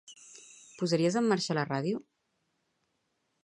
Posaries en marxa la ràdio?